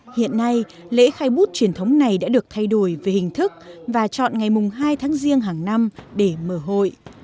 hiện nay lễ khai bút truyền thống này đã được thay đổi về hình thức và chọn ngày mùng hai tháng riêng hàng năm để mở hội